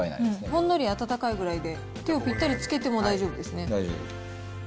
ほんのりあたたかいくらいで、手をぴったりつけても大丈夫で大丈夫。